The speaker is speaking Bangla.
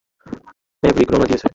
ম্যাভরিক রওনা দিয়েছে।